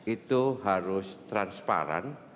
itu harus transparan